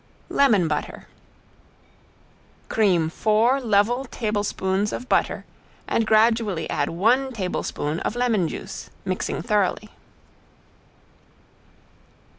~LEMON BUTTER~ Cream four level tablespoons of butter and add gradually one tablespoon of lemon juice mixing thoroughly.